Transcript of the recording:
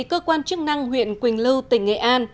cơ quan chức năng huyện quỳnh lưu tỉnh nghệ an